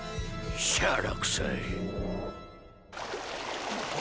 しゃらくさい。